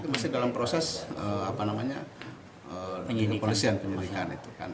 masih dalam proses polisi yang menyelidikan